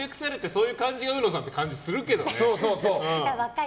そういう感じがうのさんっていう感じがするけどね。